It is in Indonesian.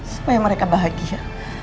supaya mereka bahagia